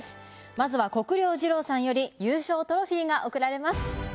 まずは國領二郎さんより優勝トロフィーが贈られます。